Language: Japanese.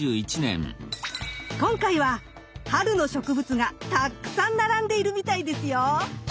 今回は春の植物がたっくさん並んでいるみたいですよ。